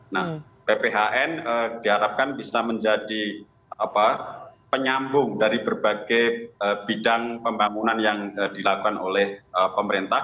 nah pphn diharapkan bisa menjadi penyambung dari berbagai bidang pembangunan yang dilakukan oleh pemerintah